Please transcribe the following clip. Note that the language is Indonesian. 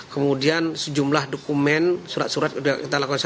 kemudian sejumlah dokumen surat surat dan juga barang barang lainnya